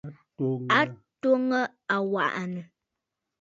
A twoŋǝ aŋwà'ànǝ̀.